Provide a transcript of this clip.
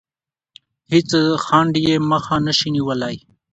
هیڅ خنډ یې مخه نه شي نیولی.